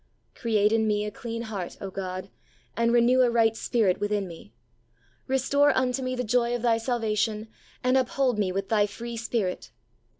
"Create in me a clean heart, O God, and renew a right spirit within me. Restore unto me the joy of Thy salvation, and uphold me with Thy free Spirit.